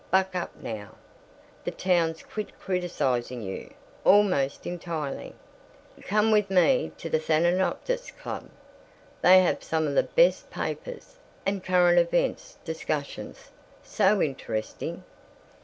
Buck up now. The town's quit criticizing you, almost entirely. Come with me to the Thanatopsis Club. They have some of the BEST papers, and current events discussions SO interesting."